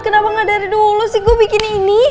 kenapa gak dari dulu sih gue bikin ini